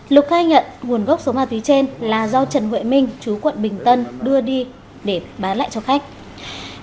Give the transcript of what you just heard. lục khai nhận nguồn gốc số ma túy trên là do trần huệ minh chú quận bình tân đưa đi để bán lại cho khách